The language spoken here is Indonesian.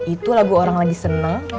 itu lagu orang lagi senang